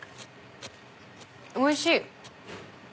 おいしい！